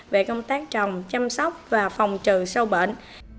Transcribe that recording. về công tác trồng chăm sóc và phòng trừ sâu bệnh